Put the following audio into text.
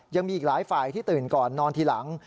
ยังมีอีกหลายฝ่ายที่ตื่นก่อนนอนทีหลัง